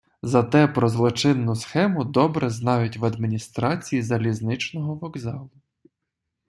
Зате про злочинну схему добре знають в адміністрації залізничного вокзалу.